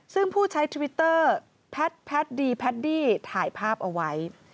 ซึ่งผู้ใช้ทวิตเตอร์แพทย์ดีแพดดี้ถ่ายภาพเอาไว้